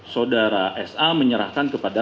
saudara s menyerahkan kepada